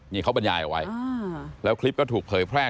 นี่เขาบรรยายเอาไว้แล้วคลิปก็ถูกเผยแพร่